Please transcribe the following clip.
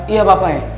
iya bapak ya